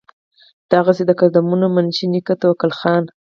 دغسې د قدرمند منشي نيکۀ توکل خان